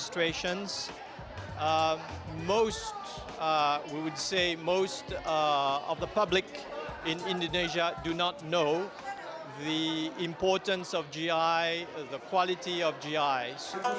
sebagian besar dari masyarakat di indonesia tidak tahu pentingnya gi kualitas gi